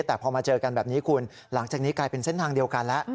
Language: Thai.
แต่พอมาเจอกันแบบนี้คุณหลังจากนี้กลายเป็นเส้นทางเดียวกันแล้ว